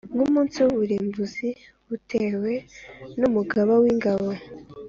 nk’umunsi w’uburimbuke, butewe n’Umugaba w’ingabo.